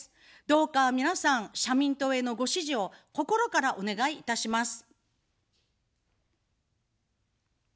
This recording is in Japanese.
どうか皆さん、社民党へのご支持を心からお願いいたします。